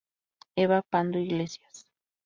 Eva Pando Iglesias.